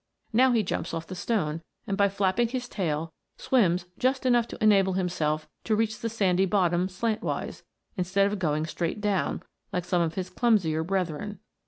Now he jumps off the stone, and by flapping his tail, swims just enough to enable himself to reach the sandy bottom slantwise, instead of going straight down like some of his clumsier brethren.